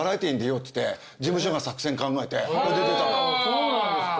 そうなんですか。